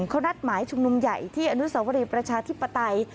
เขานัดหมายชุมนุมใหญ่ที่อนุสวรีประชาธิปไตย